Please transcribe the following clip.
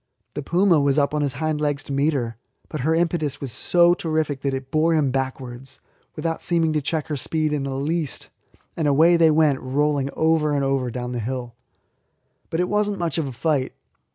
The puma was up on his hind legs to meet her, but her impetus was so terrific that it bore him backwards, without seeming to check her speed in the least, and away they went rolling over and over down the hill. But it was not much of a fight.